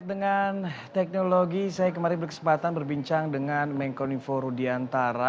dengan teknologi saya kemarin berkesempatan berbincang dengan mencom info rudi antara